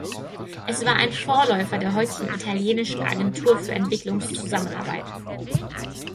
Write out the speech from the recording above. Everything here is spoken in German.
Es war ein Vorläufer der heutigen italienischen Agentur für Entwicklungszusammenarbeit.